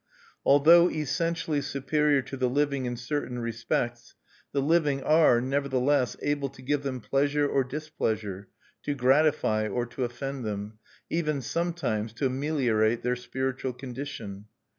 Although essentially superior to the living in certain respects, the living are, nevertheless, able to give them pleasure or displeasure, to gratify or to offend them, even sometimes to ameliorate their spiritual condition.